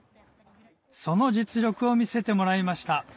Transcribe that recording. その実力を見せてもらいました